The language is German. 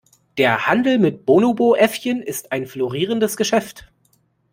Der Handel mit Bonobo-Äffchen ist ein florierendes Geschäft.